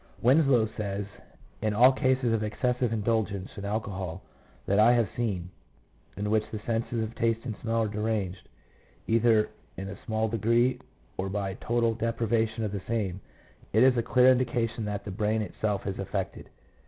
Winslow says: 3 —" In all cases of excessive indulgence in alcohol that I have seen, in which the senses of taste and smell are deranged, either in a small degree or by total deprivation of the same, it is a clear indi cation that the brain itself is affected."